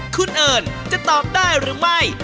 คุณเอิญจะตอบได้หรือไม่